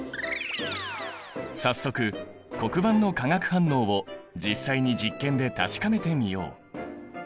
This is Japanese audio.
早速黒板の化学反応を実際に実験で確かめてみよう。